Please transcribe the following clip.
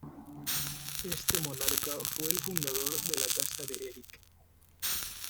Este monarca fue el fundador la Casa de Erik.